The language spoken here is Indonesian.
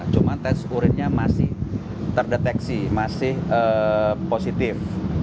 cuma tes urinnya masih terdeteksi masih positif